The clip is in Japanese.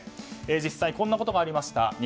実際にこんなことがありました。